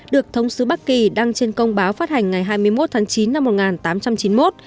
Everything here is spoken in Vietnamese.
được thống sứ bắc kỳ đăng trên công báo phát hành ngày hai mươi một tháng chín năm một nghìn tám trăm chín mươi một